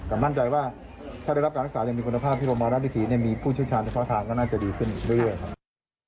ก็มั่นใจว่าถ้าได้รับการรักษาที่มีคุณภาพที่โรงพจบาลรัชวิถีมีผู้ชื่อชาญในภาคทางก็น่าจะดีขึ้นเรื่อย